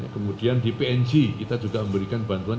kemudian di png kita juga memberikan bantuan